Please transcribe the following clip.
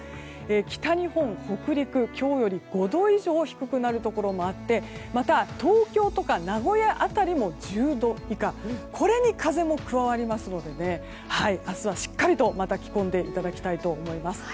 北日本、北陸は今日より５度以上低くなるところもあってまた、東京とか名古屋辺りも１０度以下これに風も加わりますので明日はしっかりとまた着込んでいただきたいと思います。